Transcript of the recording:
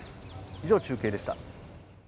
以上中継でした。